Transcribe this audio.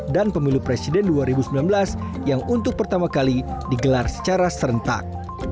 dan pemilu presiden dua ribu sembilan belas yang untuk pertama kali digelar secara serentak